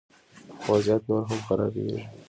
وضعیت نور هم خرابیږي